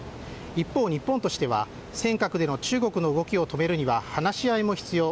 一方、日本としては尖閣での中国の動きを止めるには話し合いも必要。